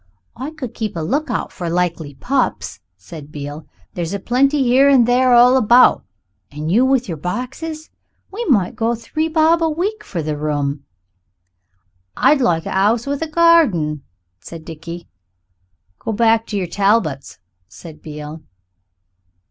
"I could keep a lookout for likely pups," said Beale; "there's a plenty here and there all about and you with your boxes. We might go to three bob a week for the room." "I'd like a 'ouse with a garden," said Dickie. "Go back to yer Talbots," said Beale.